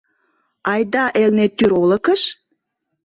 Айда Элнеттӱр олыкыш?